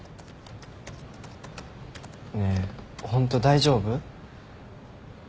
ねえホント大丈夫？